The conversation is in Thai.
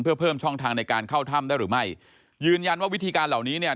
เพื่อเพิ่มช่องทางในการเข้าถ้ำได้หรือไม่ยืนยันว่าวิธีการเหล่านี้เนี่ย